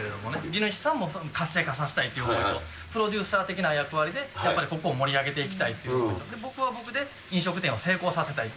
地主さんも活性化させたいという思いと、プロデューサー的な役割で、やっぱりここを盛り上げていきたいということで、僕は僕で、飲食店を成功させたい。